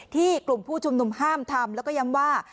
กลุ่มผู้ชุมนุมห้ามทำแล้วก็ย้ำว่า